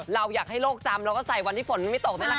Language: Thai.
เราอยากให้โลกจำเราก็ใส่วันที่ฝนไม่ตกนี่แหละค่ะ